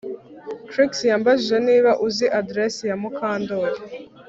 Trix yambajije niba nzi aderesi ya Mukandoli